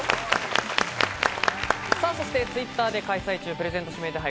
そしてＴｗｉｔｔｅｒで開催中、プレゼント指名手配。